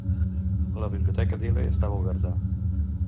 La biblioteca Dealey estava oberta.